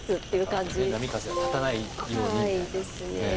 波風は立たないようにみたいな。ですね。